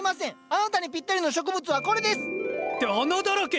あなたにぴったりの植物はこれです！って穴だらけ！